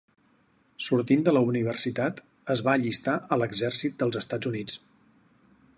Sortint de la universitat es va allistar a l'exèrcit dels Estats Units.